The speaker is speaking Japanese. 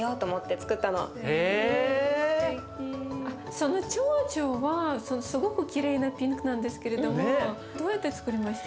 そのちょうちょはすごくきれいなピンクなんですけれどもどうやってつくりました？